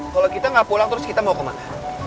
kalau kita nggak pulang terus kita mau kemana